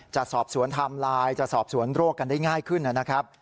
จะสอบสวนไทม์ไลน์จะสอบสวนโรคกันได้ง่ายขึ้นนะครับ